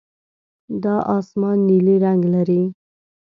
دا اسمان نیلي رنګ لري.